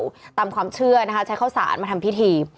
ปัดเป่าตามความเชื่อนะคะใช้ข้าวศาลมาทำพิธี